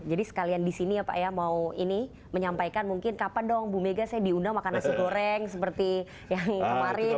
jadi sekalian di sini pak mau menyampaikan mungkin kapan dong ibu mega saya diundang makan nasi goreng seperti yang kemarin